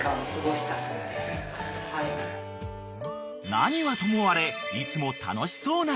［何はともあれいつも］